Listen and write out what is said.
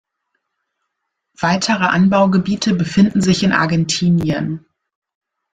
Weitere Anbaugebiete befinden sich in Argentinien.